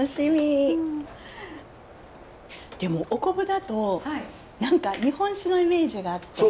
でもお昆布だと何か日本酒のイメージがあって。